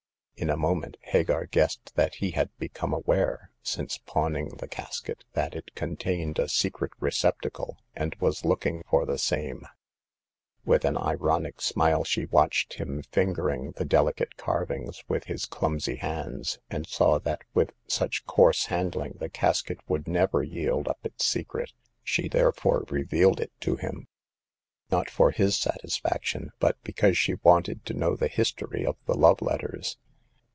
In a mo ment Hagar guessed that he had become aware, since pawning the casket, that it contained a secret receptacle, and was looking for the same. 236 Hagar of the Pawn Shop. With an ironic smile she watched him fingering the delicate carvings with his clumsy hands, and saw that with such coarse handling the casket would never yield up its secret. She therefore revealed it to him, not for his satisfaction, but because she wanted to know the history of the love letters.